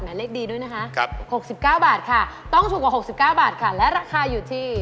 หมายเลขดีด้วยนะคะต้องถูกกว่า๖๙บาทและราคาอยู่ที่